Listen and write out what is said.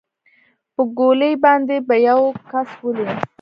په ګولۍ باندې به يو كس ولې.